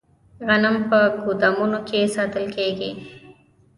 غنم په ګدامونو کې ساتل کیږي.